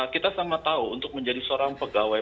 kita sama tahu untuk menjadi seorang pegawai